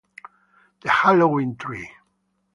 The Halloween Tree